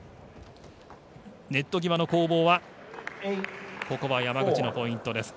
ネット際の攻防はここは山口のポイントです。